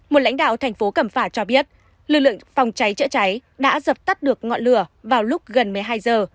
một lãnh đạo tp cẩm phả cho biết lực lượng phòng cháy chữa cháy đã dập tắt được ngọn lửa vào lúc gần một mươi hai h